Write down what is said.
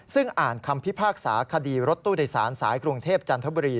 ซึ่งอ่านคำพิพากษาคดีรถตู้โดยสารสายกรุงเทพจันทบุรี